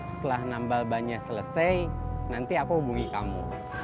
setelah nambal bannya selesai nanti aku hubungi kamu